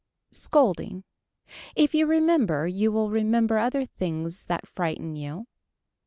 Scolding. If you remember you will remember other things that frighten you.